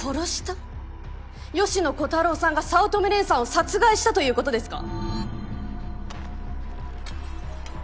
芳野小太郎さんが早乙女蓮さんを殺害したということですか？